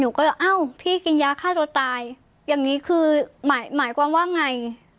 หนูก็เอ้าพี่กินยาฆ่าตัวตายอย่างงี้คือหมายหมายความว่าไง